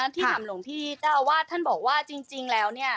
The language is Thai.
ที่ถามหลวงพี่เจ้าอาวาสท่านบอกว่าจริงแล้ว